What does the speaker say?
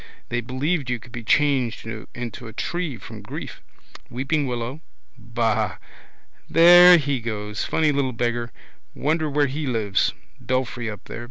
They believed you could be changed into a tree from grief. Weeping willow. Ba. There he goes. Funny little beggar. Wonder where he lives. Belfry up there.